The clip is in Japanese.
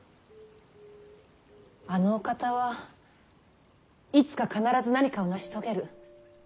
あのお方はいつか必ず何かを成し遂げる。